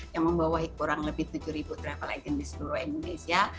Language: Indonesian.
yang membawahi kurang lebih tujuh travel agent di seluruh indonesia